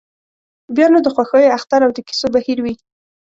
بیا نو د خوښیو اختر او د کیسو بهیر وي.